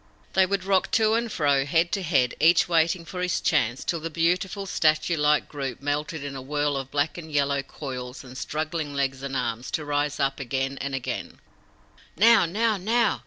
They would rock to and fro, head to head, each waiting for his chance, till the beautiful, statue like group melted in a whirl of black and yellow coils and struggling legs and arms, to rise up again and again. "Now! now! now!"